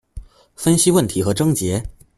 分析问题和症结